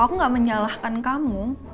aku gak menyalahkan kamu